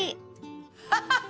「ハハハハ！」